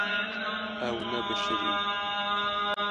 Ew nebişirîn.